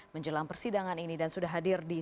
malam mbak putri